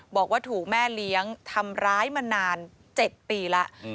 บอกว่าถูกแม่เลี้ยงทำร้ายมานาน๗ปีแล้ว